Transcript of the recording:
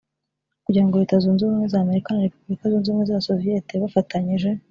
kugira ngo Leta zunze ubumwe z’ America na Repubulika zunze ubumwe z’Abasoviyete bafatanyije